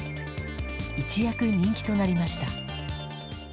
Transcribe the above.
一躍人気となりました。